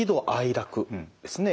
楽ですね